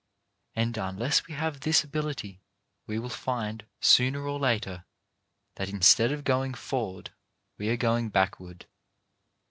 And, unless we have this ability, we will find, sooner or later, that instead of going forward we are going backward.